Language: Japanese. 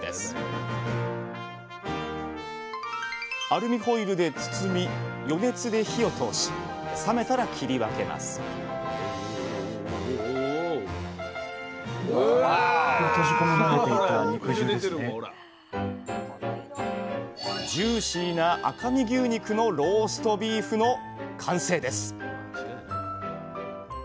アルミホイルで包み余熱で火を通し冷めたら切り分けますジューシーな赤身牛肉のローストビーフの完成です！